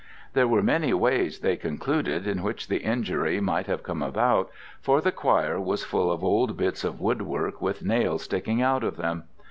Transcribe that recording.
There were many ways, they concluded, in which the injury might have come about, for the choir was full of old bits of woodwork with nails sticking out of them.